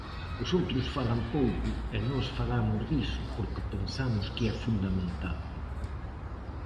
Os outros falan pouco e nós falamos diso porque pensamos que é fundamental.